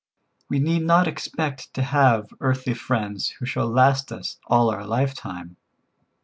We need not expect to have earthly friends who shall last us all our lifetime.